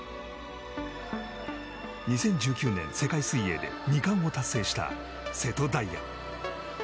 ２０１９年世界水泳で２冠を達成した瀬戸大也。